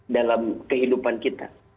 dalam kehidupan kita